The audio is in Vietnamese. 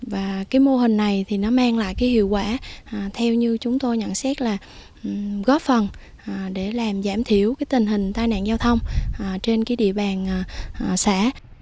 và cái mô hình này thì nó mang lại cái hiệu quả theo như chúng tôi nhận xét là góp phần để làm giảm thiểu cái tình hình tai nạn giao thông trên cái địa bàn xã